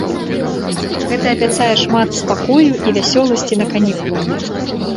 Гэта абяцае яму шмат спакою і весялосці на канікулах.